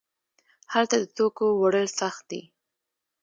هلته د توکو وړل سخت دي.